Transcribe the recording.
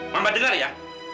mama dengar ya